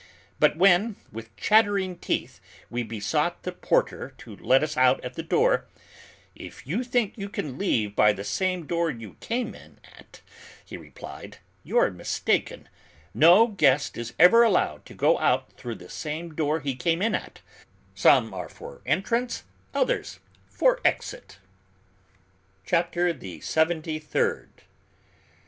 But when, with chattering teeth, we besought the porter to let us out at the door, "If you think you can leave by the same door you came in at," he replied, "you're mistaken: no guest is ever allowed to go out through the same door he came in at; some are for entrance, others for exit." CHAPTER THE SEVENTY THIRD.